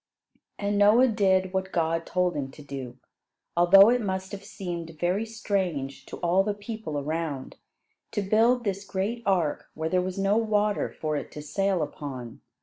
And Noah did what God told him to do, although it must have seemed very strange to all the people around, to build this great ark where there was no water for it to sail upon.